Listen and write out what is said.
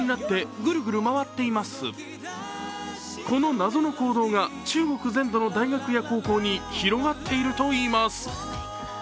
この謎の行動が中国全土の大学や高校に広がっているといいます。